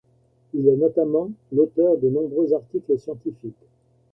Il est notamment l’auteur de nombreux articles scientifiques.